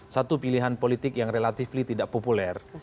satu pilihan politik yang relatif tidak populer